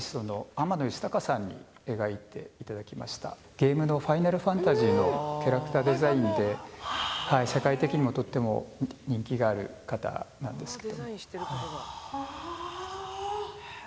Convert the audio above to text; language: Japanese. ゲームの「ファイナルファンタジー」のキャラクターデザインで世界的にもとても人気がある方なんですけど。